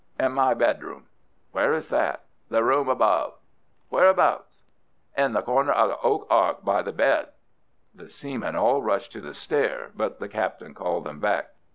"In my bedroom." "Where is that?" "The room above." "Whereabouts?" "In the corner of the oak ark by the bed." The seamen all rushed to the stair, but the captain called them back.